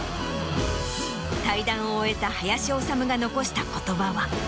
対談を終えた林修が残した言葉は。